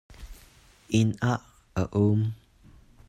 Inn ah a um.